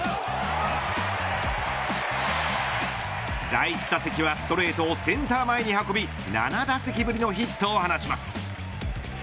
第１打席はストレートをセンター前に運び７打席ぶりのヒットを放ちます。